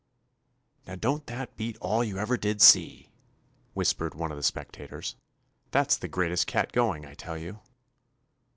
"Now don't that beat all you ever did see?" whispered one of the spec tators. "That 's the greatest cat go ing, I tell you!"